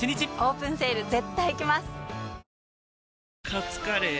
カツカレー？